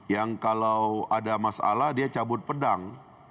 yang kalau ada masalah dia cabut pedang